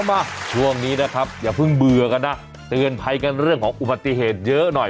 มาช่วงนี้นะครับอย่าเพิ่งเบื่อกันนะเตือนภัยกันเรื่องของอุบัติเหตุเยอะหน่อย